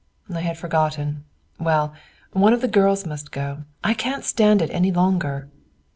"I had forgotten. Well, one of the girls must go; I can't stand it any longer."